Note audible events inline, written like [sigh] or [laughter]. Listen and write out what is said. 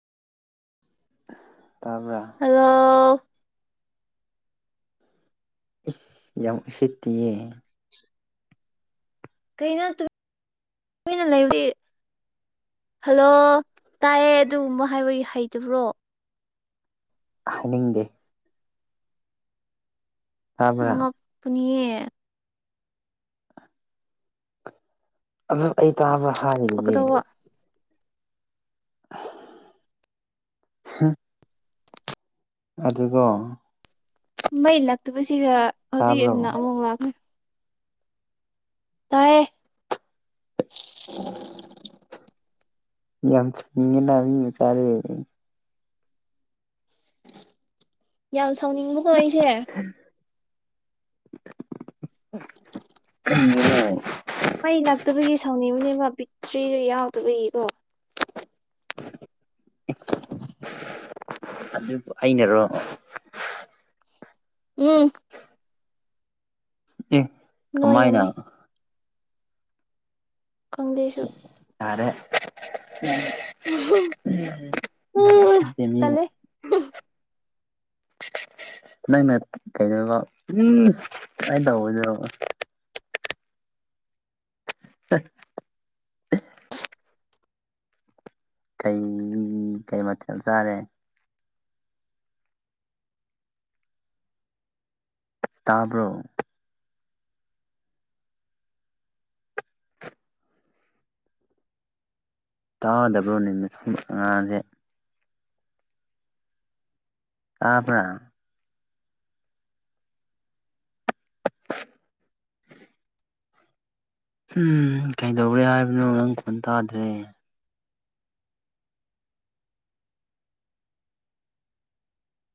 ꯇꯥꯕꯔꯥ ꯍꯜꯂꯣ ꯌꯥꯝ ꯎꯁꯤꯠꯇꯤꯌꯦ ꯀꯩꯅꯣ ꯇꯨꯃꯤꯟꯅ ꯂꯩꯕꯗꯤ ꯍꯜꯂꯣ ꯇꯥꯏꯌꯦ ꯑꯗꯨꯒꯨꯝꯕ ꯍꯥꯏꯕꯒꯤ ꯍꯩꯇꯕ꯭ꯔꯣ꯫ ꯍꯥꯏꯅꯤꯡꯗꯦ꯫ ꯇꯥꯕ꯭ꯔ ꯄꯨꯅꯤꯌꯦ ꯑꯗ ꯑꯩ ꯇꯥꯕ ꯍꯥꯏꯔꯤꯗꯨꯗꯤ ꯐꯀꯗꯧꯕ ꯍꯨꯝ꯫ ꯑꯗꯨꯒꯣ ꯃꯩ ꯂꯥꯛꯇꯕꯁꯤꯒ ꯍꯧꯖꯤꯛ ꯇꯥꯕ꯭ꯔꯣ ꯑꯗꯨꯅ ꯑꯃꯨꯛ ꯂꯥꯛꯂꯦ ꯇꯥꯏꯌꯦ꯫ ꯌꯥꯝ ꯁꯤꯡꯏꯅ ꯃꯤ ꯃꯆꯥꯗꯤ꯫ ꯌꯥꯝ ꯁꯥꯎꯅꯤꯡꯕꯀꯣ ꯑꯩꯁꯦ꯫ [unintelligible] ꯃꯩ ꯂꯥꯛꯇꯕꯒꯤ ꯁꯥꯎꯅꯤꯕꯤꯅꯤꯕ ꯄꯤꯛꯇ꯭ꯔꯤꯕꯤ ꯌꯥꯎꯗꯕꯒꯤ ꯀꯣ꯫ ꯑꯗꯨꯕꯨ ꯑꯩꯅꯔꯣ꯫ ꯎꯝ꯫ ꯑꯦ ꯀꯃꯏꯅꯥ꯫ ꯅꯣꯏꯅꯅꯤ ꯈꯪꯗꯦ ꯏꯁꯨ꯫ ꯌꯥꯔꯦ [unintelligible] ꯇꯜꯂꯦ ꯅꯪꯅ ꯀꯩꯗꯧꯕ ꯑꯩꯅ ꯇꯧ [unintelligible] [inaudible] ꯀꯩ ꯀꯩ ꯃꯊꯦꯜ ꯆꯥꯔꯦ꯫ ꯇꯥꯕ꯭ꯔꯣ꯫ ꯇꯥꯗꯕ꯭ꯔꯣꯅꯦ ꯃꯁꯤ ꯑꯉꯥꯡꯁꯦ꯫ ꯇꯕ꯭ꯔꯥ꯫ [unintelligible] ꯎꯝ ꯀꯩꯗꯧꯔꯦ ꯍꯥꯏꯕꯅꯣ ꯅꯪ ꯈꯣꯟ ꯇꯥꯗ꯭ꯔꯦ꯫